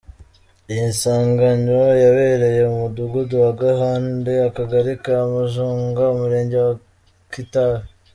Iyi sanganya yabereye mu Mudugudu wa Gahande, Akagari ka Mujunga, Umurenge wa Kitabi.